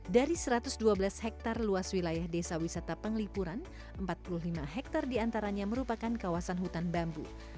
dari satu ratus dua belas hektare luas wilayah desa wisata penglipuran empat puluh lima hektare diantaranya merupakan kawasan hutan bambu